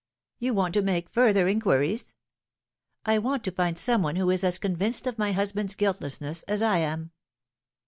" You want to make further inquiries ?"" I want to find some one who is as convinced of my hus band's guiltlessness as I am."